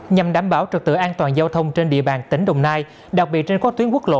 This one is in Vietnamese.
nhằm đảm bảo trực tự an toàn giao thông trên địa bàn tỉnh đồng nai đặc biệt trên các tuyến quốc lộ